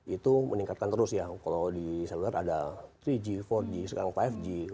itu meningkatkan terus ya kalau di seluler ada tiga g empat g sekarang lima g